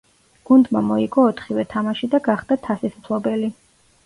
გუნდმა მოიგო ოთხივე თამაში და გახდა თასის მფლობელი.